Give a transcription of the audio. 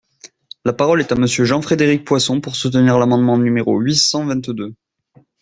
La parole est à Monsieur Jean-Frédéric Poisson, pour soutenir l’amendement numéro huit cent vingt-deux.